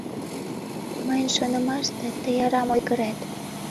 Мыйын шонымаште, тый арам ойгырет...